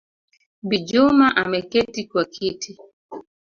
Bi Juma ameketi kwa kiti